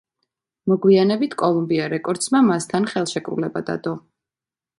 მოგვიანებით კოლუმბია რეკორდსმა მასთან ხელშეკრულება დადო.